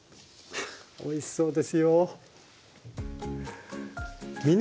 おいしそうですよ。